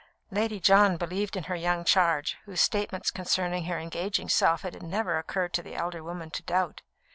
Lady John believed in her young charge, whose statements concerning her engaging self it had never occurred to the elder woman to doubt.